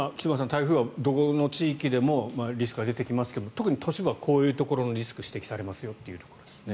台風はどこの地域でもリスクは出てきますが特に都市部はこういうところのリスクが指摘されますよということです。